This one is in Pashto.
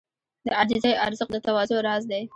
د عاجزۍ ارزښت د تواضع راز دی.